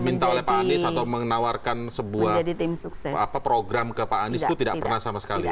diminta oleh pak anies atau menawarkan sebuah program ke pak anies itu tidak pernah sama sekali